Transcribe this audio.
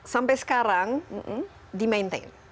sampai sekarang di maintain